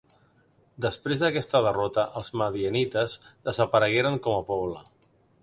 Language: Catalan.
Després d'aquesta derrota els madianites desaparegueren com a poble.